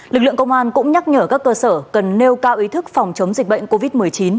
lực lượng công an cũng nhắc nhở các cơ sở cần nêu cao ý thức phòng chống dịch bệnh covid một mươi chín